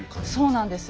そうなんです。